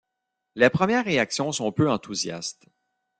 Les premières réactions sont peu enthousiastes.